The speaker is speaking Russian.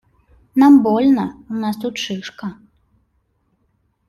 Нам больно, у нас тут шишка.